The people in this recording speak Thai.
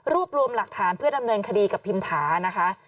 รวมรวมหลักฐานเพื่อดำเนินคดีกับพิมถานะคะ